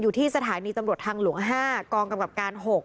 อยู่ที่สถานีตำรวจทางหลวง๕กองกำกับการ๖